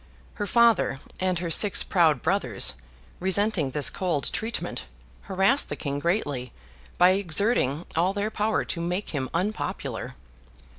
Her father and her six proud brothers, resenting this cold treatment, harassed the King greatly by exerting all their power to make him unpopular.